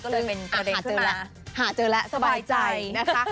ก็เลยเป็นประเด็นขึ้นมาสบายใจนะคะหาเจอแล้ว